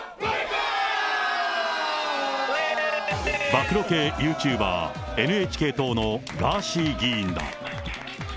暴露系ユーチューバー、ＮＨＫ党のガーシー議員だ。